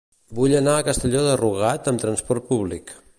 Vull anar a Castelló de Rugat amb transport públic.